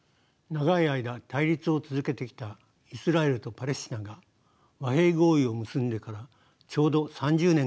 長い間対立を続けてきたイスラエルとパレスチナが和平合意を結んでからちょうど３０年がたちました。